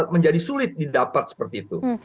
menjadi sulit didapat seperti itu